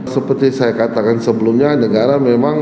seperti saya katakan sebelumnya negara memang